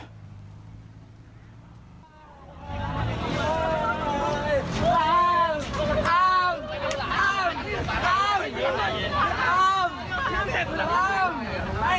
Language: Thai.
อ้ามให้พี่ช่วยท้องผมดิ